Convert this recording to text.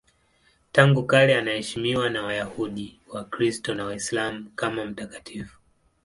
Tangu kale anaheshimiwa na Wayahudi, Wakristo na Waislamu kama mtakatifu.